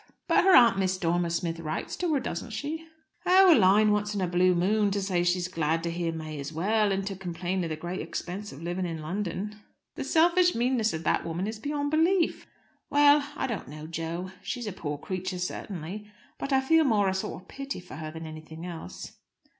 "But her aunt, Mrs. Dormer Smith, writes to her, doesn't she?" "Oh, a line once in a blue moon, to say she's glad to hear May is well, and to complain of the great expense of living in London." "The selfish meanness of that woman is beyond belief." "Well I don't know, Jo. She's a poor creature, certainly. But I feel more a sort of pity for her than anything else."